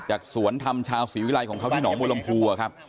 จากสวนธรรมชาวศรีวิรัยของเขาที่หนอมลมภูวะครับ